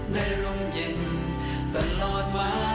ในร่มเย็นตลอดมา